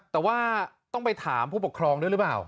แต่ว่าต้องไปถามผู้ปกครองด้วยหรือเปล่า